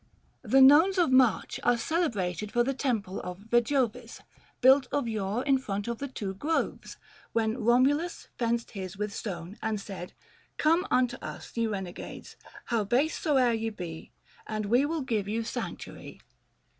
The Nones of March are celebrated for The temple of Yejovis — built of yore In front of the two groves ; when Komulus Fenced his with stone, and said, " Come unto us, 465 Ye renegades, how base soe'er ye be, And we will give you sanctuary